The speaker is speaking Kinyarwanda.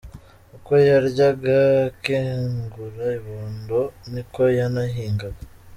Uko yaryaga akegura ibondo, ni ko yanahingaga.